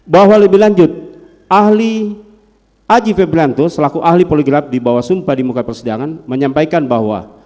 bahwa lebih lanjut ahli aji febrianto selaku ahli poligraf di bawah sumpah di muka persidangan menyampaikan bahwa